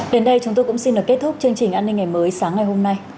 đến đây chúng tôi cũng xin được kết thúc chương trình an ninh ngày mới sáng ngày hôm nay